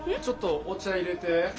ちょっとお茶いれて。